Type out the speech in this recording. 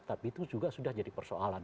tapi itu juga sudah jadi persoalan